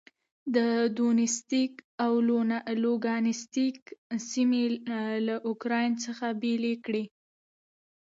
د دونیتسک او لوګانسک سیمې له اوکراین څخه بېلې کړې.